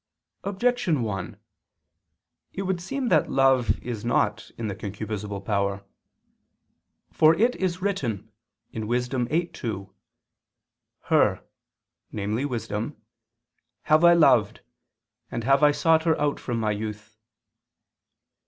Objection 1: It would seem that love is not in the concupiscible power. For it is written (Wis. 8:2): "Her," namely wisdom, "have I loved, and have sought her out from my youth."